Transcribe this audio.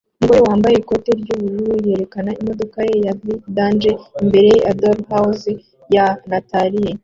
Umugore wambaye ikoti ry'ubururu yerekana imodoka ye ya vintage imbere ya DollHouse ya Nathalie